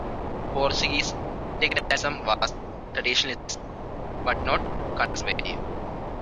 Portuguese integralism was traditionalist, but not conservative.